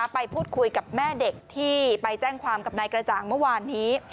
ไปพูดคุยกับแม่เด็กที่ไปแจ้งความกับนายกระจ่างเมื่อวานนี้